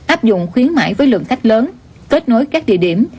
áp dụng khuyến mại với lượng khách lớn kết nối các địa điểm